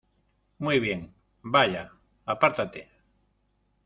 Muy bien. Vaya, apártate .